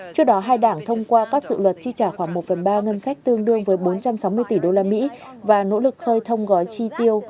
trước đó hai đảng thông qua các dự luật chi trả khoảng một ba ngân sách tương đương với bốn trăm sáu mươi tỷ đô la mỹ và nỗ lực khơi thông gói chi tiêu